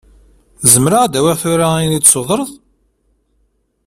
Zemreɣ ad awiɣ tura ayen i d-tessutreḍ?